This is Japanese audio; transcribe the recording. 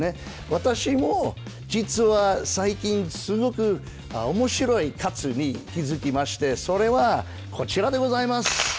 私も実は最近すごくおもしろい活に気付きましてそれは、こちらでございます。